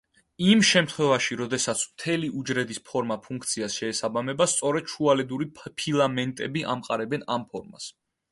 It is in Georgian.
იმ შემთხვევაში, როდესაც მთელი უჯრედის ფორმა ფუნქციას შეესაბამება, სწორედ შუალედური ფილამენტები ამყარებენ ამ ფორმას.